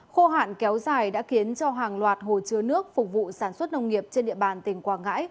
khô hạn kéo dài đã khiến cho hàng loạt hồ chứa nước phục vụ sản xuất nông nghiệp trên địa bàn tỉnh quảng ngãi